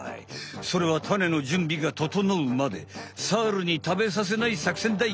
それはタネのじゅんびがととのうまでサルにたべさせないさくせんだい。